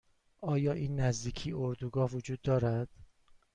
آیا این نزدیکی اردوگاه وجود دارد؟